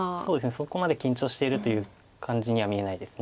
そこまで緊張してるという感じには見えないです。